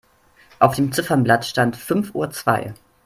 Auf dem Ziffernblatt stand fünf Uhr zwei.